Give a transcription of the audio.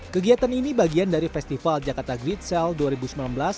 kegiatan ini bagian dari festival jakarta great sale dua ribu sembilan belas